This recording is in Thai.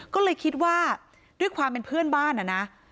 ก็เลยคิดว่าด้วยความเป็นเพื่อนบ้านนะ